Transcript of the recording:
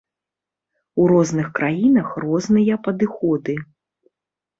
У розных краінах розныя падыходы.